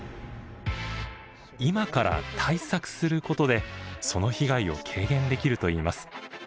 今から対策することでその被害を軽減できるといいます。